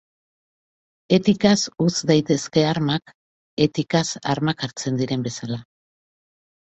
Etikaz utz daitezke armak, etikaz armak hartzen diren bezala.